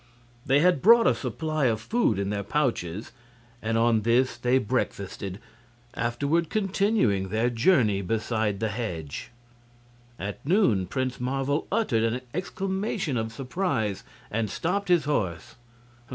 They had brought a supply of food in their pouches, and on this they breakfasted, afterward continuing their journey beside the hedge. At noon Prince Marvel uttered an exclamation of surprise and stopped his horse.